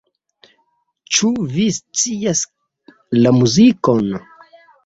Ĉu vi scias la muzikon?